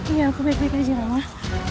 iya aku baik baik aja ya pak